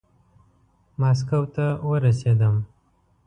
ماسکو ته ورسېدم.